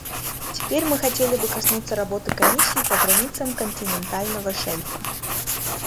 Теперь мы хотели бы коснуться работы Комиссии по границам континентального шельфа.